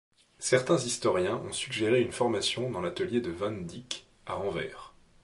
Certains historiens ont suggéré une formation dans l'atelier de Van Dyck à Anvers.